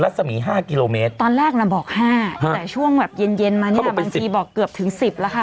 รัศมี๕กิโลเมตรตอนแรกมันบอก๕แต่ช่วงแบบเย็นมาเนี้ยบางทีบอกเกือบถึง๑๐แล้วค่ะ